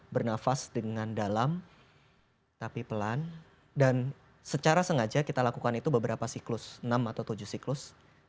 bernafas dengan dalam tapi pelan dan secara sengaja kita lakukan itu beberapa siklus enam atau tujuh siklus